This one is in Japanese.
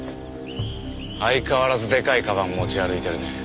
相変わらずでかいかばん持ち歩いてるね。